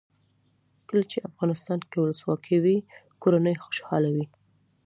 کله چې افغانستان کې ولسواکي وي کورنۍ خوشحاله وي.